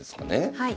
はい。